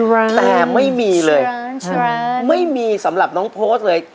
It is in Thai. แต่ไม่มีเลยใช่ไหมไม่มีสำหรับน้องโพสต์เลย